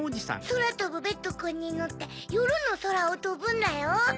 ・そらとぶベッドくんにのってよるのそらをとぶんだよ。